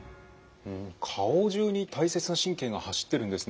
顔中に大切な神経が走ってるんですね。